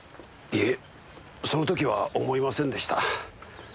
いいえその時は思いませんでした。